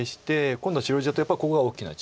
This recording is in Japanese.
今度は白地だとやっぱりここが大きな地。